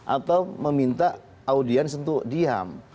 atau meminta audiens untuk diam